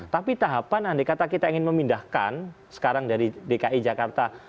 tapi tahapan andai kata kita ingin memindahkan sekarang dari dki jakarta